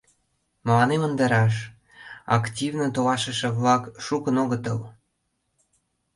Мыланем ынде раш: активно толашыше-влак шукын огытыл.